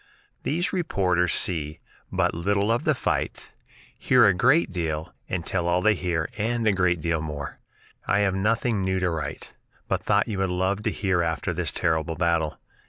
These reporters see but little of the fight, hear a great deal, and tell all they hear and a great deal more. "I have nothing new to write, but thought you would love to hear after this terrible battle.